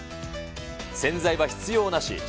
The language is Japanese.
洗剤は必要なし。